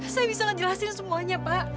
saya bisa ngejelasin semuanya pak